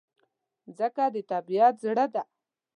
مځکه د طبیعت زړه ده.